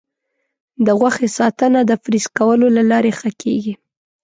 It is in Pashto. د غوښې ساتنه د فریز کولو له لارې ښه کېږي.